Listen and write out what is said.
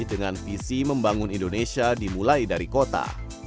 dengan visi membangun indonesia dimulai dari kota